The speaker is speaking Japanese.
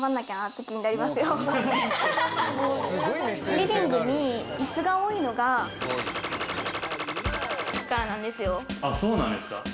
リビングにいすが多いのがからなんですよ。